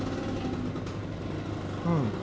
うん。